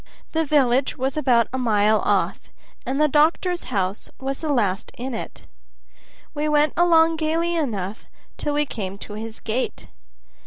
The village was about a mile off, and the doctor's house was the last in it. We went along gayly enough till we came to his gate.